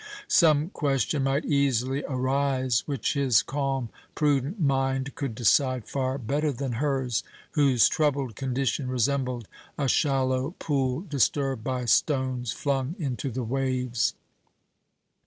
Some question might easily arise which his calm, prudent mind could decide far better than hers, whose troubled condition resembled a shallow pool disturbed by stones flung into the waves.